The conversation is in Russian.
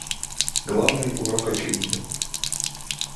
Главный урок очевиден.